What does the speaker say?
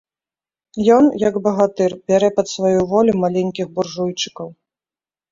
Ён, як багатыр, бярэ пад сваю волю маленькіх буржуйчыкаў.